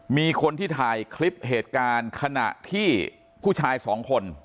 มีคนที่ถ่ายคลิปเหตุการณ์ขณะที่ผู้ชายสองคน